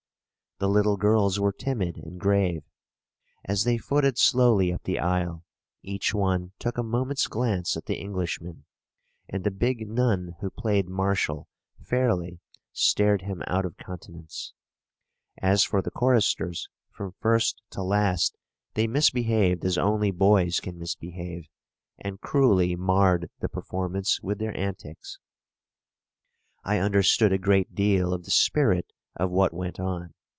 The little girls were timid and grave. As they footed slowly up the aisle, each one took a moment's glance at the Englishman; and the big nun who played marshal fairly stared him out of countenance. As for the choristers, from first to last they misbehaved as only boys can misbehave; and cruelly marred the performance with their antics. I understood a great deal of the spirit of what went on.